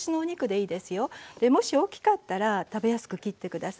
もし大きかったら食べやすく切って下さい。